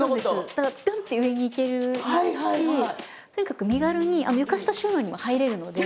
だからピョンって上に行けるしとにかく身軽に床下収納にも入れるので。